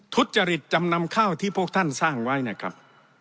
ทุจริตจำนำข้าวที่พวกท่านสร้างไว้นะครับ